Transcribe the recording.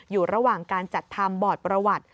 อยู่ระหว่างการจัดทำบอร์ดประวัติ